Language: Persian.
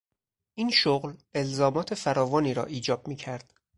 این شغل الزامات فراوانی را ایجاب میکرد.